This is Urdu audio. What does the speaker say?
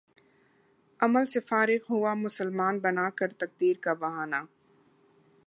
عمل سے فارغ ہوا مسلماں بنا کر تقدیر کا بہانہ